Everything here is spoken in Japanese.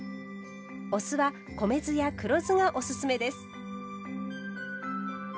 お酢は米酢や黒酢がおすすめです。